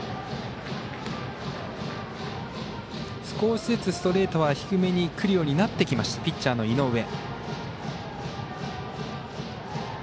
少しずつストレートは低めにくるようになってきましたピッチャーの井上。